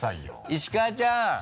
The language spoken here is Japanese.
石川ちゃん。